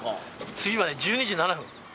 次はね１２時７分。